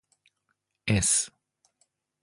S